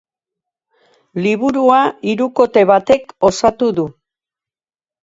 Liburua, hirukote batek osatu du.